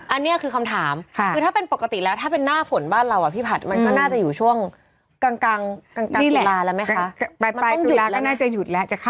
อันนี้คือคำถามคือถ้าเป็นปกติแล้วถ้าเป็นหน้าฝนบ้านเราอ่ะพี่ผัดมันก็น่าจะอยู่ช่วงกลางแล้วไหมคะ